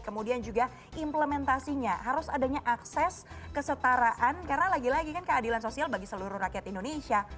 kemudian juga implementasinya harus adanya akses kesetaraan karena lagi lagi kan keadilan sosial bagi seluruh rakyat indonesia